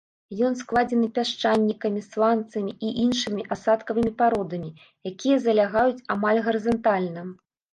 Ён складзены пясчанікамі, сланцамі і іншымі асадкавымі пародамі, якія залягаюць амаль гарызантальна.